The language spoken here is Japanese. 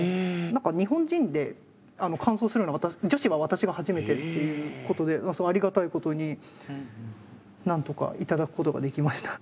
何か日本人で完走するの女子は私が初めてっていうことでありがたいことに何とか頂くことができました。